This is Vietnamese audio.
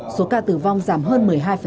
số ca tử vong giảm hơn một mươi hai